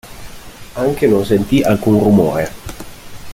Anche non sentì alcun rumore.